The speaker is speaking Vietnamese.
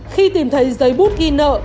khi tìm thấy giấy bút ghi nợ